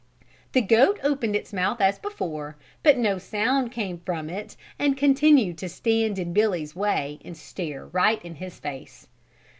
The goat opened its mouth as before but no sound came from it and it continued to stand in Billy's way and stare right in his face.